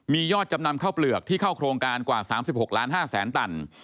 มียอดจำนำข้าวเปลือกที่เข้าโครงการกว่า๓๖ล้าน๕แสนตัน